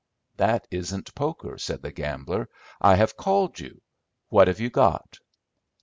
"That isn't poker," said the gambler. "I have called you. What have you got?"